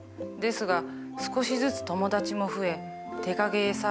ですが少しずつ友達も増え手影絵